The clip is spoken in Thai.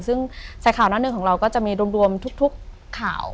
ซึ่งใส่ข่าวหน้าหนึ่งของเราก็จะมีรวมทุกข่าว